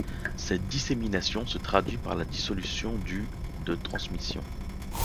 Cette dissémination se traduit par la dissolution du de transmissions.